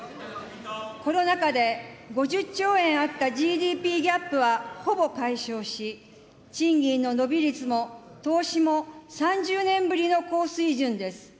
コロナ禍で５０兆円あったＧＤＰギャップはほぼ解消し、賃金の伸び率も投資も３０年ぶりの高水準です。